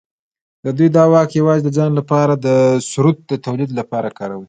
دوی دا واک یوازې د ځان لپاره د ثروت د تولید لپاره کاروي.